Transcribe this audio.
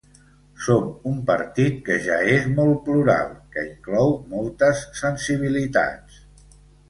Som un partit que ja és molt plural, que inclou moltes sensibilitats.